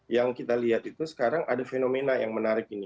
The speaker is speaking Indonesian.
yang kita lihat itu sekarang ada fenomena yang menarik ini